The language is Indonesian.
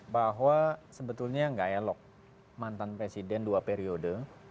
bahwa sebetulnya nggak elok mantan presiden dua periode